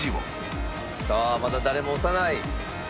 さあまだ誰も押さない。